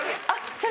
それ。